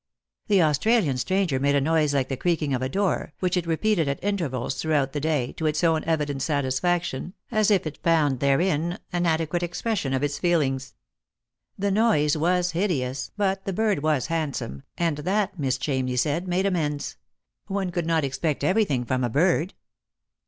The Australian stranger made a noise like the creaking of a door, which it repeated at intervals throughout the day, to its own evident satisfaction, as if it found therein an adequate expression of its feelings. The noise was hideous, but the bird was handsome, and that, Miss Ohamney said, made amends ; one could not expect everything from a bird.